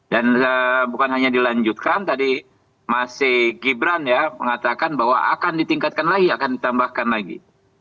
dan bukan hanya dilanjutkan tadi mas gibran mengatakan bahwa akan ditingkatkan lagi akan ditambahkan lagi